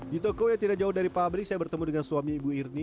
di toko yang tidak jauh dari pabrik saya bertemu dengan suami ibu irni